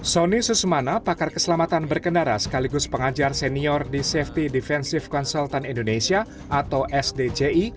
sony susmana pakar keselamatan berkendara sekaligus pengajar senior di safety defensive consultant indonesia atau sdji